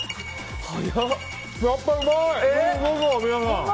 やっぱうまい！